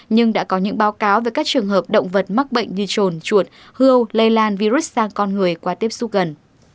nhưng đã có những báo cáo về các trường hợp động vật mắc bệnh như trồn chuột hư lây lan virus sang con người qua tiếp xúc gần